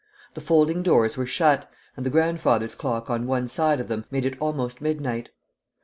The folding doors were shut, and the grandfather's clock on one side of them made it almost midnight.